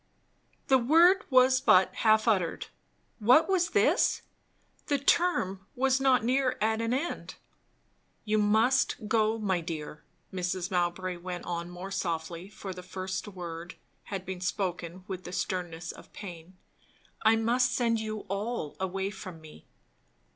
the word was but half uttered. What was this? The term was not near at an end. "You must go, my dear," Mrs. Mowbray went on more softly; for the first word had been spoken with the sternness of pain. "I must send you all away from me."